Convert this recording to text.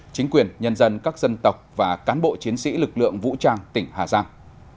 chính quyền nhân dân các dân tộc và cán bộ chiến sĩ lực lượng vũ trang tỉnh hà giang